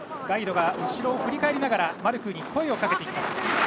ガイドが後ろを振り返りながらマルクーに声をかけていきます。